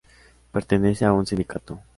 Pertenece a un sindicato.